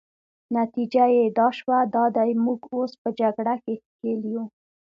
نتیجه يې دا شوه، دا دی موږ اوس په جګړه کې ښکېل یو.